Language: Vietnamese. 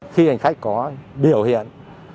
khi hành khách có biểu hiện